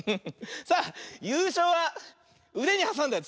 さあゆうしょうはうでにはさんだやつ。